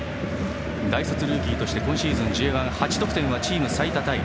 大卒ルーキーとして今シーズンＪ１で８得点はチーム最多タイ。